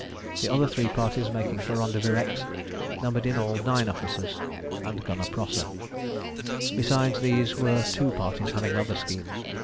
The other three parties making for Rendezvous X numbered in all nine officers and Gunner Prosser. Besides these there were two parties having other schemes.